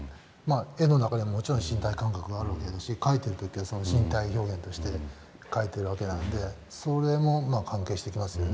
絵の中でももちろん身体感覚があるわけだし描いてる時は身体表現として描いてるわけなんでそれも関係してきますよね。